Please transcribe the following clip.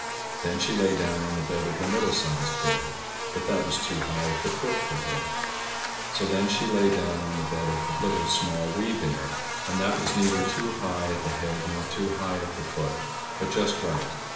Then she lay down on the bed of the Middle Sized Bear, but that was too high at the foot for her. So then she lay down on the bed of the Little, Small, Wee Bear, and that was neither too high at the head nor too high at the foot, but just right.